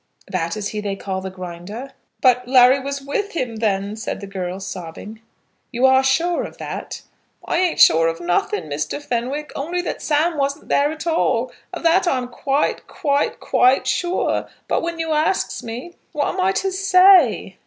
"That is he they call the Grinder?" "But Larry was with him then," said the girl, sobbing. "You are sure of that?" "I ain't sure of nothing, Mr. Fenwick, only that Sam wasn't there at all. Of that I am quite, quite, quite sure. But when you asks me, what am I to say?"